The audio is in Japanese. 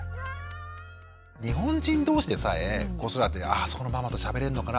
日本人同士でさえ子育てあそこのママとしゃべれんのかな？